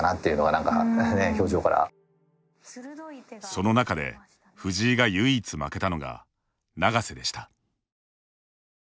その中で藤井が唯一負けたのが永瀬でした。